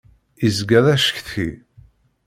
Izga d acetki.